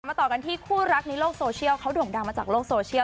ต่อกันที่คู่รักในโลกโซเชียลเขาโด่งดังมาจากโลกโซเชียล